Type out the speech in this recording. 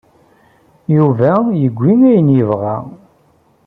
Yuba yewwi ayen i yebɣa.